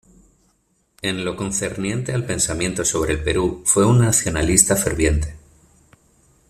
En lo concerniente al pensamiento sobre el Perú, fue un nacionalista ferviente.